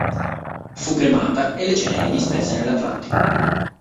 Fu cremata e le ceneri disperse nell’Atlantico.